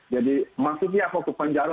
jadi maksudnya ahok dipenjara